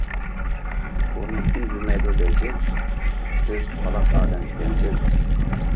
بۇنى كىم بىلمەيدۇ دەيسىز؟ سىز قالاق ئادەم ئىكەنسىز!